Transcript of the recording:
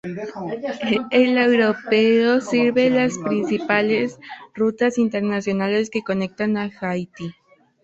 El aeropuerto sirve las principales rutas internacionales que conectan con Haití.